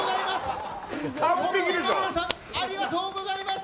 ありがとうございます。